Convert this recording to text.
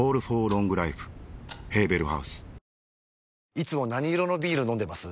いつも何色のビール飲んでます？